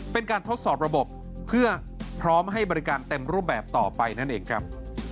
เป็นการทดสอบระบบเพื่อพร้อมให้บริการเต็มรูปแบบต่อไปนั่นเองครับ